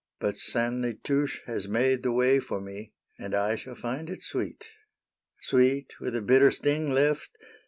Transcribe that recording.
But Sainte Nitouche has made the way For me, and I shall find it sweet. '' Sweet with a bitter sting left